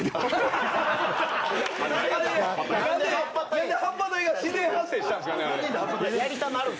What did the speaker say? なんではっぱ隊が自然発生したんですかね。